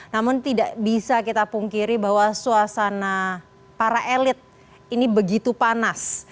namun tidak bisa kita pungkiri bahwa suasana para elit ini begitu panas